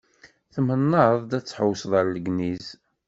Tmennaḍ-d ad tḥewwseḍ ar Legniz.